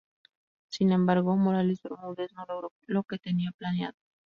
Sin embargo, Morales Bermúdez no logró lo que tenía planeado.